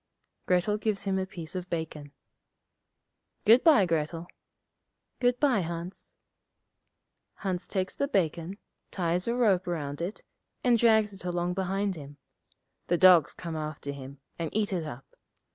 Grettel gives him a piece of bacon. 'Good bye, Grettel.' 'Good bye, Hans.' Hans takes the bacon, ties a rope round it, and drags it along behind him. The dogs come after him, and eat it up.